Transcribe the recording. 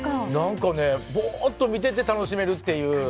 ボーっと見てて楽しめるっていう。